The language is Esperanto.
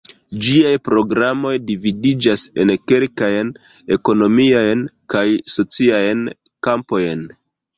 Ĝiaj programoj dividiĝas en kelkajn ekonomiajn kaj sociajn kampojn.